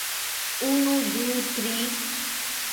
Unu... du... tri...